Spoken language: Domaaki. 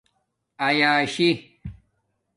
ایاشی